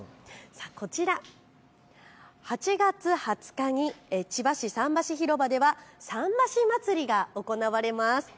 こちら、８月２０日に千葉市さんばしひろばではさんばしまつりが行われます。